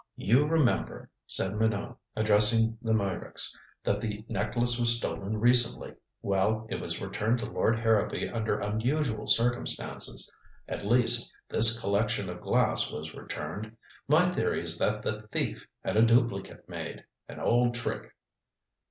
"You remember," said Minot, addressing the Meyricks, "that the necklace was stolen recently. Well it was returned to Lord Harrowby under unusual circumstances. At least, this collection of glass was returned. My theory is that the thief had a duplicate made an old trick."